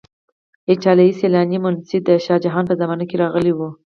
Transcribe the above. ایټالیایی سیلانی منوسي د شاه جهان په زمانه کې راغلی و.